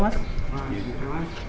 mas yuda mas